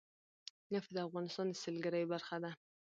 نفت د افغانستان د سیلګرۍ برخه ده.